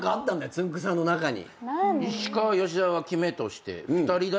つんく♂さんの中に。